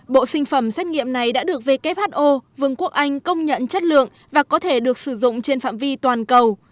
bộ sinh phẩm xét nghiệm này đã được who vương quốc anh công nhận chất lượng và có thể được sử dụng trên phạm vi toàn cầu